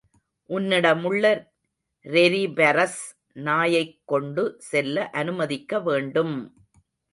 உன்னிடமுள்ள ரெரிபரஸ் நாயைக் கொண்டு செல்ல அநுமதிக்க வேண்டும்!